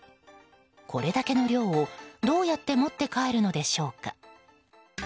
これだけの量を、どうやって持って帰るのでしょうか。